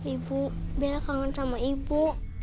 ibu bela kangen sama ibu